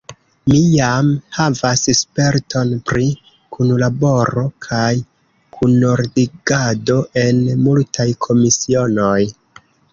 Mi jam havas sperton pri kunlaboro kaj kunordigado en multaj komisionoj.